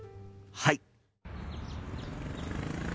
はい！